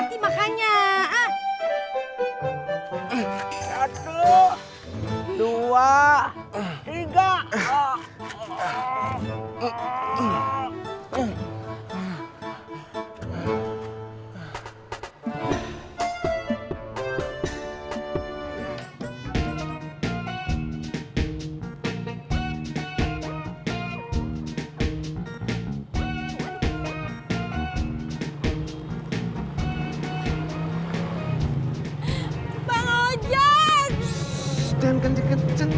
shh jangan kenceng kenceng